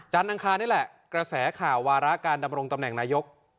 อังคารนี่แหละกระแสข่าววาระการดำรงตำแหน่งนายก